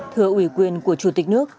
thưa ủy quyền của chủ tịch nước